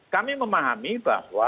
kami memahami bahwa